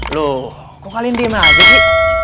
loh kok kalian diem aja sih